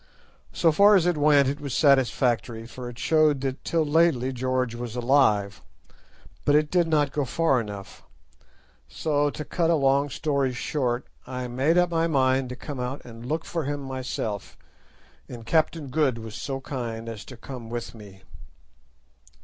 So far as it went it was satisfactory, for it showed that till lately George was alive, but it did not go far enough. So, to cut a long story short, I made up my mind to come out and look for him myself, and Captain Good was so kind as to come with me."